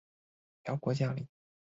辽国将领。